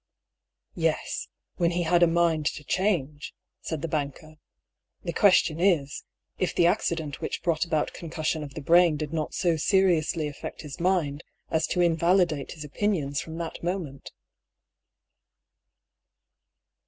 " Yes — when he had a mind to change," said the banker. " The question is, if the accident which brought about concussion of the brain did not so seriously affect his mind as to invalidate his opinions from that mo ment."